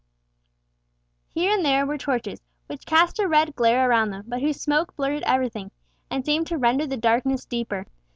Here and there were torches, which cast a red glare round them, but whose smoke blurred everything, and seemed to render the darkness deeper.